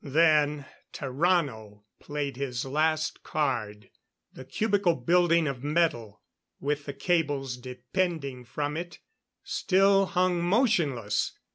Then Tarrano played his last card. The cubical building of metal with the cables depending from it, still hung motionless.